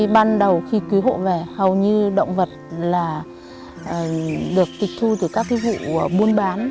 ban đầu khi cứu hộ về hầu như động vật được kịch thu từ các vụ buôn bán